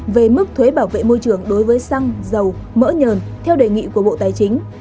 về mức thuế bảo vệ môi trường đối với xăng dầu mỡ nhờn theo đề nghị của bộ tài chính